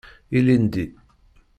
Ilindi.